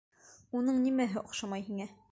Уның нимәһе оҡшамай һиңә?